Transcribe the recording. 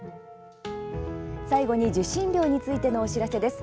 最後に受信料についてのお知らせです。